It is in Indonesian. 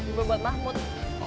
pengen kacau rambut